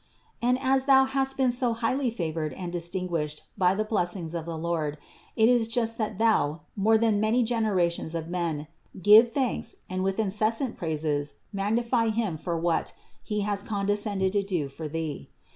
86. And as thou hast been so highly favored and dis tinguished by the blessings of the Lord, it is just that thou, more than many generations of men, give thanks and with incessant praises magnify Him for what, He has condescended to do for thee.